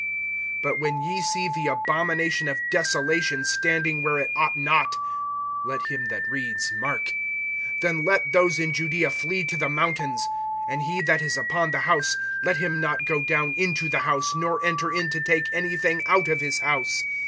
(14)But when ye see the abomination of desolation standing where it ought not, (let him that reads, mark!) then let those in Judaea flee to the mountains. (15)And he that is upon the house, let him not go down into the house, nor enter in to take anything out of his house.